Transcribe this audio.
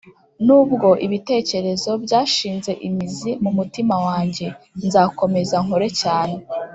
nubwo ibitekerezo, byashinze imizi mumutima wanjye, nzakomeza nkore cyane